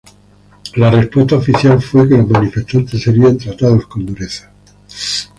La respuesta oficial fue que los manifestantes serían tratados con dureza.